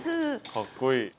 かっこいい。